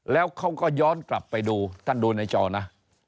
แล้วเขาก็ย้อนกลับไปดูท่านดูในจอนะ